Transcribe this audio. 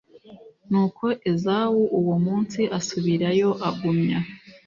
Nuko Esawu uwo munsi asubirayo agumya